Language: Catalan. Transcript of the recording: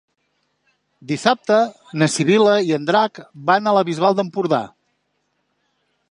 Dissabte na Sibil·la i en Drac van a la Bisbal d'Empordà.